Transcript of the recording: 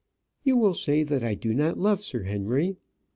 "You will say that I do not love Sir Henry.